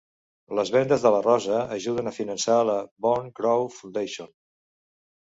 Les vendes de la rosa ajuden a finançar la Bone Growth Foundation.